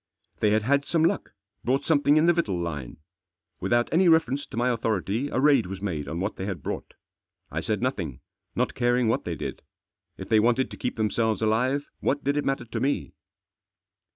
They had had some luck, brought something in the victual line. Without any reference to my authority a raid was made on what they had brought I said nothing, not caring what they did. If they wanted to keep theni selves alive, what did it matter to me